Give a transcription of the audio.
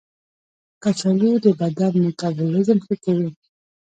کچالو د بدن میتابولیزم ښه کوي.